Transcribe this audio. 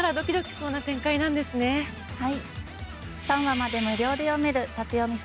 ３話まで無料で読める縦読み